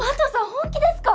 本気ですか！？